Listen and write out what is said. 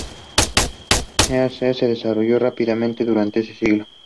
El East End se desarrolló rápidamente durante ese siglo.